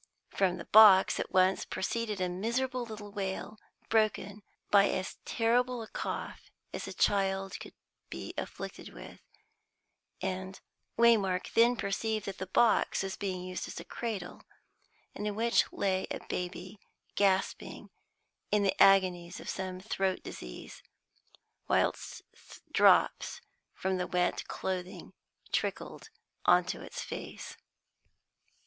From the box at once proceeded a miserable little wail, broken by as terrible a cough as a child could be afflicted with; and Waymark then perceived that the box was being used as a cradle, in which lay a baby gasping in the agonies of some throat disease, whilst drops from the wet clothing trickled on to its face.